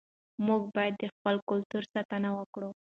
موږ باید د خپل کلتور ساتنه وکړو.